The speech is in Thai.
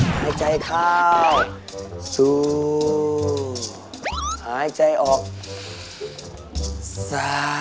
หายใจเข้าสู้หายใจออกซ่า